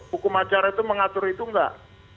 hukum acara itu mengatur itu enggak